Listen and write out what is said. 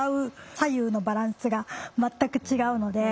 左右のバランスが全く違うので。